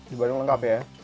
di bandung lengkap ya